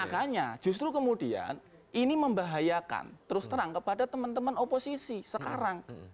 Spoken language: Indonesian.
makanya justru kemudian ini membahayakan terus terang kepada teman teman oposisi sekarang